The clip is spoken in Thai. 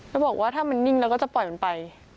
แล้วบอกว่าถ้ามันนิ่งแล้วก็จะปล่อยมันไป